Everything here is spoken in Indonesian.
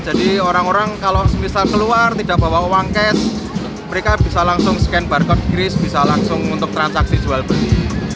jadi orang orang kalau misal keluar tidak bawa uang cash mereka bisa langsung scan barcode kris bisa langsung untuk transaksi jual beli